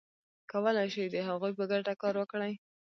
کولای شي د هغوی په ګټه کار وکړي.